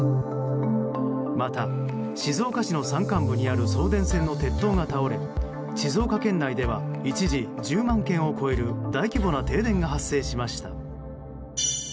また静岡市の山間部にある送電線の鉄塔が倒れ、静岡県内では一時１０万軒を超える大規模な停電が発生しました。